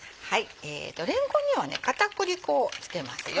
れんこんには片栗粉を付けますよ